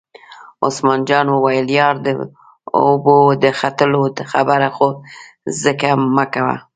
عثمان جان وویل: یار د اوبو د خوټولو خبره خو ځکه مکوه.